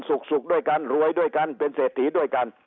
สุขด้วยกันรวยด้วยกันเป็นเศรษฐีด้วยกัน